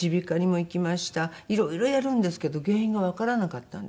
いろいろやるんですけど原因がわからなかったんですね。